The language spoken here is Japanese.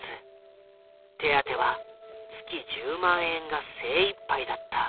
手当は月１０万円が精いっぱいだった。